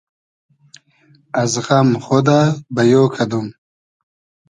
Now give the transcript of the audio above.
از غئم خودۂ بئیۉ کئدوم